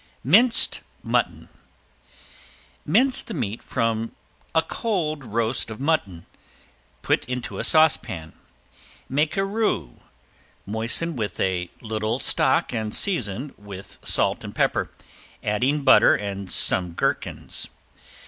~MINCED MUTTON~ Mince the meat from a cold roast of mutton, put into a saucepan. Make a roux, moisten with a little stock and season with salt and pepper, adding butter and some gherkins.